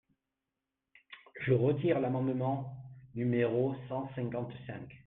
Je retire l’amendement numéro cent cinquante-cinq.